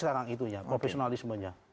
sekarang itu ya profesionalismenya